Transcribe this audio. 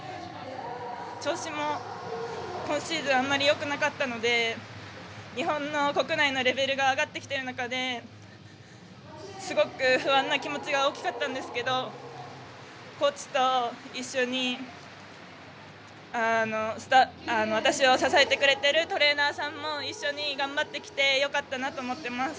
調子も今シーズンはあまりよくなかったので日本の国内のレベルが上がってきている中ですごく不安な気持ちが大きかったんですけどコーチと一緒に私を支えてくれてるトレーナーさんも一緒に頑張ってきてよかったなと思っています。